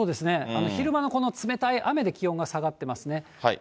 この昼間の冷たい雨で、気温が下がってますね。